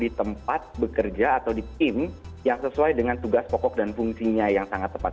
di tempat bekerja atau di tim yang sesuai dengan tugas pokok dan fungsinya yang sangat tepat